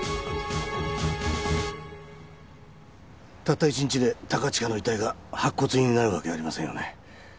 たった１日で高近の遺体が白骨になるわけありませんよね。